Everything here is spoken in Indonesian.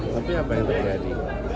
tapi apa yang terjadi